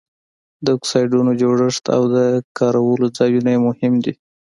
د اکسایډونو جوړښت او د کارولو ځایونه یې مهم دي.